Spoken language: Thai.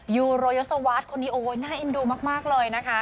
ยูโรยศวรรษคนนี้โอ้ยน่าเอ็นดูมากเลยนะคะ